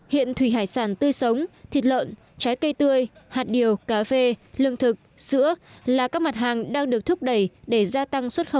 hiện thủy hải sản tươi sống thịt lợn trái cây tươi hạt điều cà phê lương thực sữa là các mặt hàng đang được thúc đẩy để gia tăng xuất khẩu